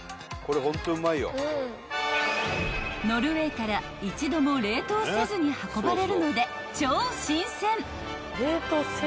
［ノルウェーから一度も冷凍せずに運ばれるので超新鮮］